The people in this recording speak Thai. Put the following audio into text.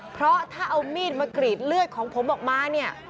เพราะถ้าเอามีดมากรีดเลือดของผมออกมาเนี่ย